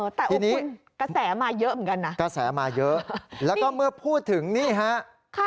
แต่โอ้โหกระแสมาเยอะเหมือนกันนะกระแสมาเยอะแล้วก็เมื่อพูดถึงนี่ฮะ